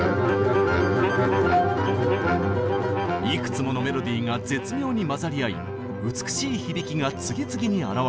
いくつものメロディーが絶妙にまざり合い美しい響きが次々にあらわれる。